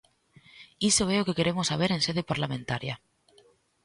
Iso é o que queremos saber en sede parlamentaria.